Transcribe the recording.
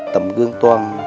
tầm gương toàn